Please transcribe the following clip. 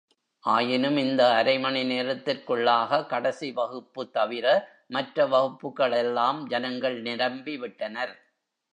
ஆயினும் இந்த அரைமணி நேரத்திற்குள்ளாக கடைசி வகுப்பு தவிர, மற்ற வகுப்புகளெல்லாம் ஜனங்கள் நிரம்பி விட்டனர்!